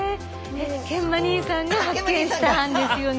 ケンマ兄さんが発見したんですよね？